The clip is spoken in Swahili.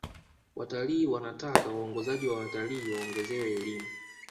watalii wanataka waongozaji wa watalii waongezewe elimu